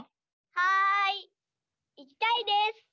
はい！いきたいです！